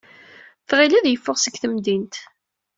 Tɣil ad yeffeɣ seg temdint.